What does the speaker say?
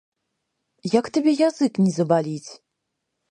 Як табе язык не забаліць?